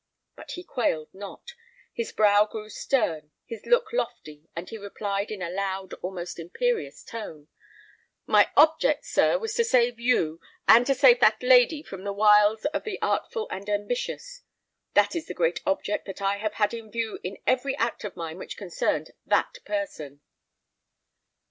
But he quailed not; his brow grew stern, his look lofty, and he replied, in a loud, almost imperious tone, "My object was, sir, to save you, and to save that lady from the wiles of the artful and ambitious: that is the great object that I have had in view in every act of mine which concerned that person."